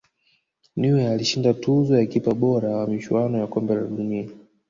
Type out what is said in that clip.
neuer alishinda tuzo ya kipa bora wa michuano ya kombe la dunia